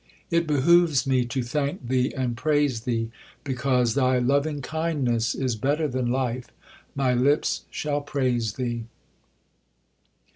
It behooves me to thank Thee and praise Thee, 'because Thy lovingkindness is better than life, my lips shall praise Thee.'"